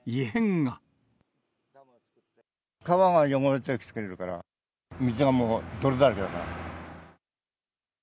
川が汚れてきてるから、水がもう泥だらけだから。